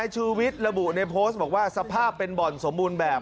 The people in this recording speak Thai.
ชูวิทย์ระบุในโพสต์บอกว่าสภาพเป็นบ่อนสมบูรณ์แบบ